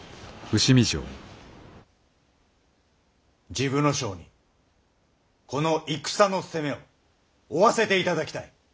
治部少輔にこの戦の責めを負わせていただきたい。